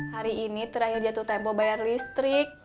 hari ini terakhir jatuh tempo bayar listrik